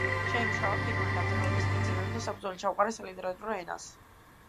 შეიმუშავა ფინური დამწერლობის პრინციპები და საფუძველი ჩაუყარა სალიტერატურო ენას.